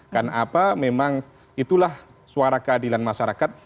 karena apa memang itulah suara keadilan masyarakat